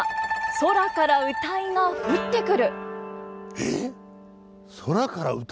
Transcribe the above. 「空から謡が降ってくる」？